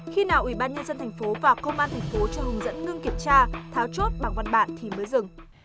khi nào ủy ban nhân dân thành phố và công an thành phố cho hướng dẫn ngưng kiểm tra tháo chốt bằng văn bản thì mới dừng